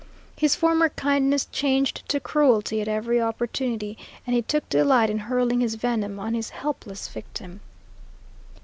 His former kindness changed to cruelty at every opportunity; and he took delight in hurling his venom on his helpless victim.